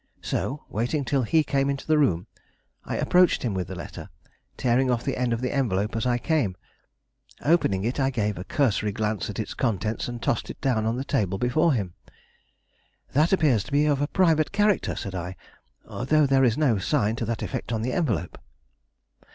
So, waiting till he came into the room, I approached him with the letter, tearing off the end of the envelope as I came. Opening it, I gave a cursory glance at its contents and tossed it down on the table before him. "That appears to be of a private character," said I, "though there is no sign to that effect on the envelope."